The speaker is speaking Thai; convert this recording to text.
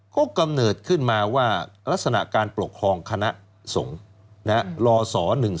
ก็กำเนิดขึ้นมาว่ารัศนาการปกครองคณะสงฆ์ล่อส๑๒๑